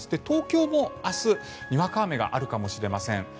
東京も明日にわか雨があるかもしれません。